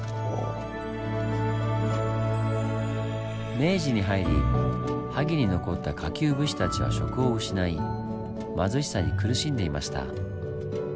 明治に入り萩に残った下級武士たちは職を失い貧しさに苦しんでいました。